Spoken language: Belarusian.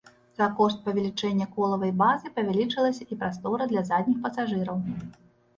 За кошт павелічэння колавай базы павялічылася і прастора для задніх пасажыраў.